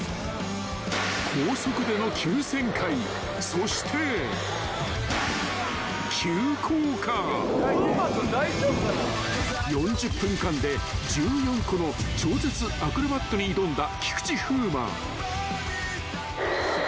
［そして］［４０分間で１４個の超絶アクロバットに挑んだ菊池風磨］